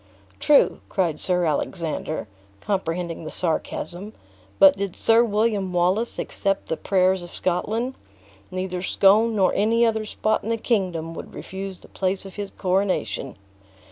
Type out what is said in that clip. "True," cried Sir Alexander, comprehending the sarcasm; "but did Sir William Wallace accept the prayers of Scotland, neither Scone nor any other spot in the kingdom would refuse the place of his coronation."